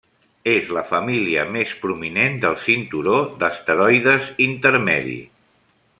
És la família més prominent del cinturó d'asteroides intermedi.